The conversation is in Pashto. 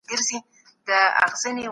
سياسي پرېکړي بايد تل د ملي ګټو ساتونکي وي.